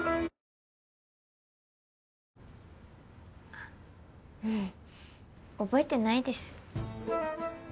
あううん覚えてないです。